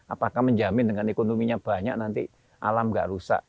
apakah menjamin dengan ekonominya banyak nanti alam gak rusak